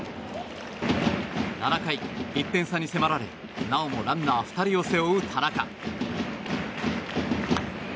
７回、１点差に迫られ、なおもランナー２人を背負う田中。